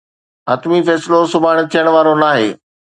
حتمي فيصلو سڀاڻي ٿيڻ وارو ناهي.